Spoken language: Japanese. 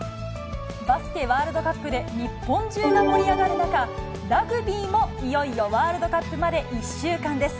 バスケワールドカップで日本中が盛り上がる中、ラグビーもいよいよワールドカップまで１週間です。